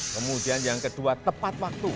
kemudian yang kedua tepat waktu